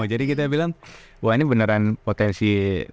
jadi kita bilang wah ini beneran potensi